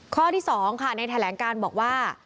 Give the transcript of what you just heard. ข้อที่๒ค่ะในแถลงการบอกว่า